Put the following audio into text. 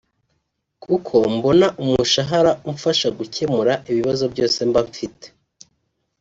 kuko mbona umushahara umfasha gukemura ibibazo byose mba mfite